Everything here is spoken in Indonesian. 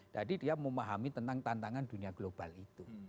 jadi dia memahami tentang tantangan dunia global itu